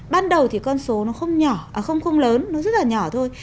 ban đầu thì con số nó không lớn nó rất là nhỏ thôi